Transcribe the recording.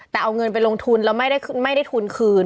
แต่เอาเงินไปลงทุนแล้วไม่ได้ทุนคืน